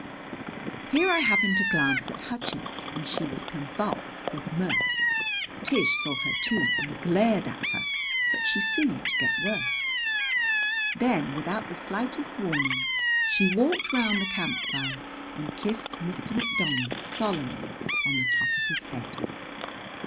Here I happened to glance at Hutchins, and she was convulsed with mirth! Tish saw her, too, and glared at her; but she seemed to get worse. Then, without the slightest warning, she walked round the camp fire and kissed Mr. McDonald solemnly on the top of his head.